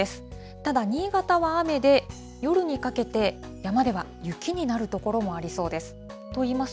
ただ、新潟は雨で、夜にかけて、山では雪になる所もありそうです。